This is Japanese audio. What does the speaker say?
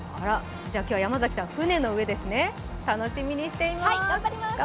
今日は山崎さん、船の上ですね、楽しみにしています。